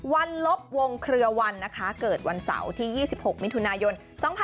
วันลบวงเครือวันนะคะเกิดวันเสาร์ที่๒๖มิถุนายน๒๕๖๒